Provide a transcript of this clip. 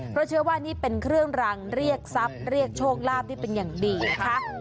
เพราะเชื่อว่านี่เป็นเครื่องรางเรียกทรัพย์เรียกโชคลาภได้เป็นอย่างดีนะคะ